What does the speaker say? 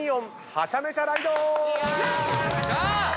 ハチャメチャ・ライド！